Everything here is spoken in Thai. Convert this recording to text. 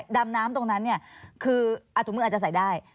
ตรงนั้นเนี่ยคืออาถุมืออาจจะใส่ได้